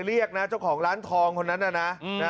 เรียกนะเจ้าของร้านทองคนนั้นน่ะนะ